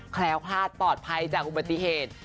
แคล้วคลาดปลอดภัยจากอุบัติเหตุ